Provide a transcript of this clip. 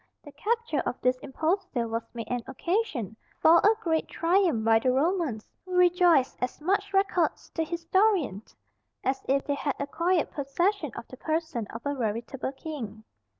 The capture of this impostor was made an occasion for a great triumph by the Romans, who rejoiced as much records the historian as if they had acquired possession of the person of a veritable king.